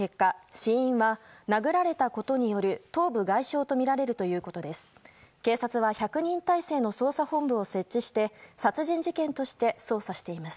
死因は、殴られたことによる頭部外傷とみられるということです。